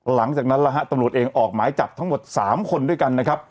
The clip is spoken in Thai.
หลังจากนั้นนะฮะตำรวจเองออกหมายจับทั้งหมด๓คนด้วยกันนะครับ